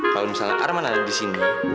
kalau misalnya arman ada di sini